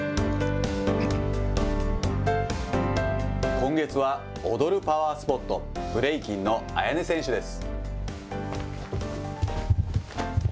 今月は踊るパワースポット、ブレイキンのＡＹＡＮＥ選手です。